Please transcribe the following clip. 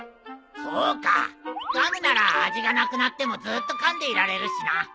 そうかガムなら味がなくなってもずっとかんでいられるしな。